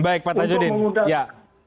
baik pak tajudin